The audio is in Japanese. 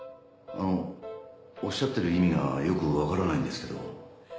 あのおっしゃってる意味がよくわからないんですけど。